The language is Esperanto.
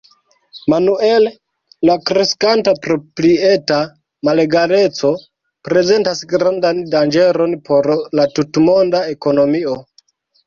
Manuel, la kreskanta proprieta malegaleco prezentas grandan danĝeron por la tutmonda ekonomio.